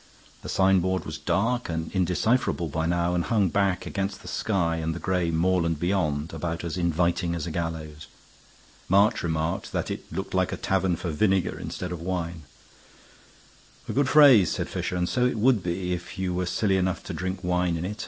The signboard was dark and indecipherable by now, and hung black against the sky and the gray moorland beyond, about as inviting as a gallows. March remarked that it looked like a tavern for vinegar instead of wine. "A good phrase," said Fisher, "and so it would be if you were silly enough to drink wine in it.